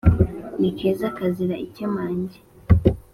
ni keza kazira ikemange